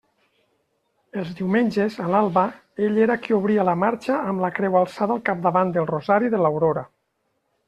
Els diumenges, a l'alba, ell era qui obria la marxa amb la creu alçada al capdavant del rosari de l'aurora.